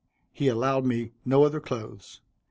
He allowed me no other clothes.